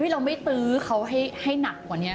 เราไม่ตื้อเขาให้หนักกว่านี้